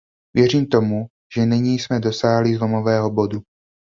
Věřím tomu, že nyní jsme dosáhli zlomového bodu.